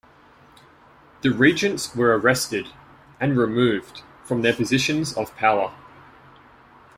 The regents were arrested and removed from their positions of power.